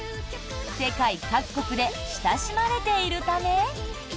世界各国で親しまれているため。